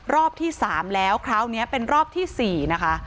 รอบที่๓แล้วคราวนี้เป็นรอบที่๔นะคะ